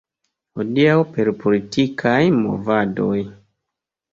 Hodiaŭ per politikaj movadoj.